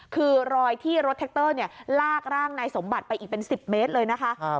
คือรอยที่รถแท็กเตอร์ลากร่างนายสมบัติไปอีกเป็น๑๐เมตรเลยนะคะ